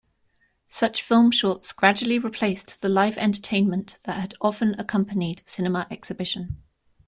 Such film shorts gradually replaced the live entertainment that had often accompanied cinema exhibition.